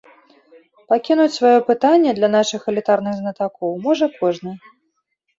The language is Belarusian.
Пакінуць сваё пытанне для нашых элітарных знатакоў можа кожны.